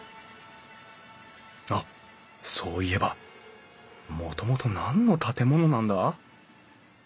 あっそういえばもともと何の建物なんだ？